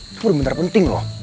itu bener bener penting loh